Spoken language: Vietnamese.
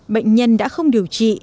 bệnh nhân đã không điều trị